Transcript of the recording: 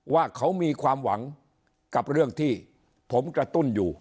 ว่าเขามีความหวังกับเรื่องที่ผมกระตุ้นอยู่